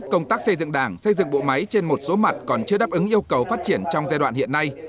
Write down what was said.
công tác xây dựng đảng xây dựng bộ máy trên một số mặt còn chưa đáp ứng yêu cầu phát triển trong giai đoạn hiện nay